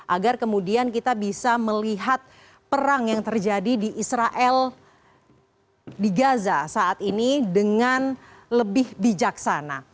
agar kemudian kita bisa melihat perang yang terjadi di israel di gaza saat ini dengan lebih bijaksana